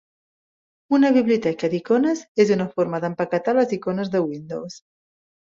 Una biblioteca d'icones és una forma d'empaquetar les icones de Windows.